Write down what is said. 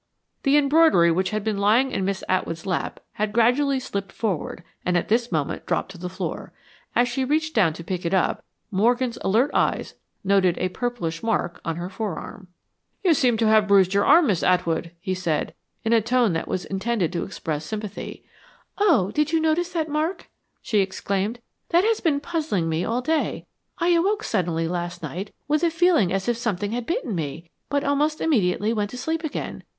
The embroidery which had been lying in Miss Atwood's lap had gradually slipped forward and at this moment dropped to the floor. As she reached down to pick it up, Morgan's alert eyes noted a purplish mark on her forearm. "You seem to have bruised your arm, Miss Atwood," he said, in a tone that was intended to express sympathy. "Oh, did you notice that mark?" she exclaimed. "That has been puzzling me all day. I awoke suddenly last night with a feeling as if something had bitten me, but almost immediately went to sleep again.